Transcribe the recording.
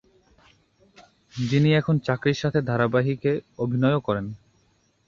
যিনি এখন চাকরির সাথে ধারাবাহিকে অভিনয়ও করেন।